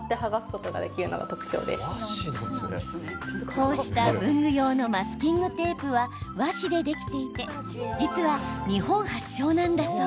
こうした文具用のマスキングテープは和紙でできていて実は、日本発祥なんだそう。